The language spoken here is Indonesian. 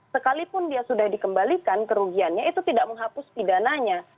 sekalipun dia sudah dikembalikan kerugiannya itu tidak menghapus pidananya